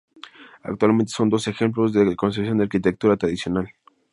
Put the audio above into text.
Actualmente son dos ejemplos de conservación de arquitectura tradicional.